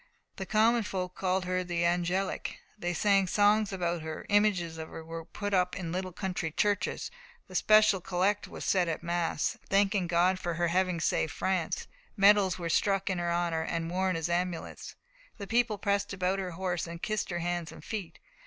The common folk called her "the angelic"; they sang songs about her; images of her were put up in little country churches; a special collect was said at mass, thanking God for her having saved France; medals were struck in her honour, and worn as amulets. The people pressed about her horse, and kissed her hands and feet.